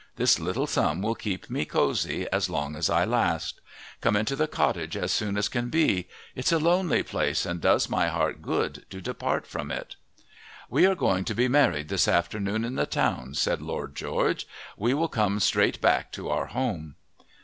This little sum will keep me cosy, as long as I last. Come into the cottage as soon as can be. It's a lonely place and does my heart good to depart from it." "We are going to be married this afternoon, in the town," said Lord George. "We will come straight back to our home."